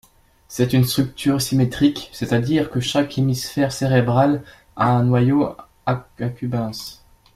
C'est une structure symétrique c'est-à-dire que chaque hémisphère cérébral a un noyau accumbens.